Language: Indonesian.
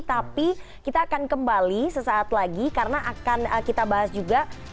tapi kita akan kembali sesaat lagi karena akan kita bahas juga